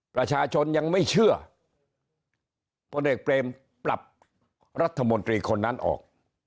ประชาชนยังไม่เชื่อพลเอกเปรมปรับรัฐมนตรีคนนั้นออก